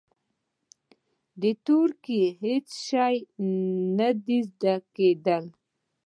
د تورکي هېڅ شى نه زده کېده.